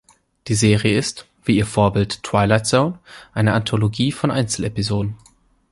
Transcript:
Die Serie ist, wie ihr Vorbild "Twilight Zone", eine Anthologie von Einzelepisoden.